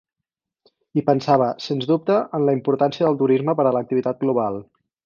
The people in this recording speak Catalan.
I pensava, sens dubte, en la importància del turisme per a l’activitat global.